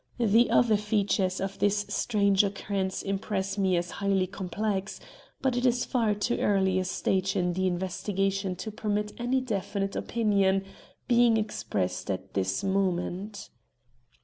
The other features of this strange occurrence impress me as highly complex, but it is far too early a stage in the investigation to permit any definite opinion being expressed at this moment."